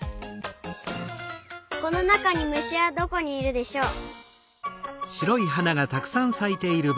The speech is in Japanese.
このなかにむしはどこにいるでしょう？